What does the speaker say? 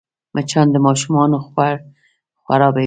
مچان د ماشومانو خوړ خرابوي